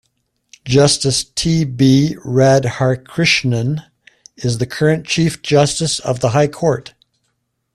Justice T B Radhakrishnan is the current Chief Justice of the High Court.